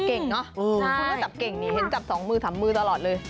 พูดว่าจับเก่งนี่เห็นจับสองมือทำมือตลอดเลย